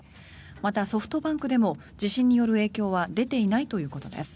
また、ソフトバンクでも地震による影響は出ていないということです。